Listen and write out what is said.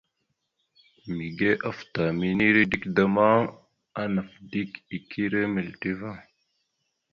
Mige afta minire dik da ma, anaf dik ire milite ava.